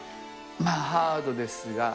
まあ、ハードですが。